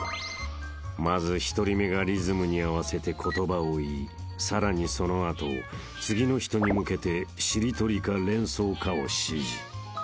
［まず１人目がリズムに合わせて言葉を言いさらにその後次の人に向けてしりとりか連想かを指示］